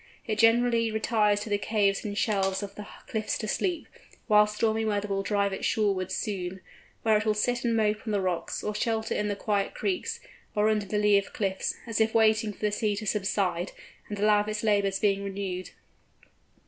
It generally retires to the caves and shelves of the cliffs to sleep, whilst stormy weather will drive it shorewards soon, where it will sit and mope on the rocks, or shelter in the quiet creeks, or under the lee of cliffs, as if waiting for the sea to subside, and allow of its labours being renewed.